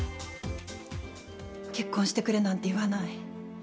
結婚してくれなんて言わない。